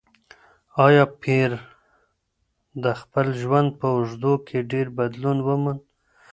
ایا پییر د خپل ژوند په اوږدو کې ډېر بدلون وموند؟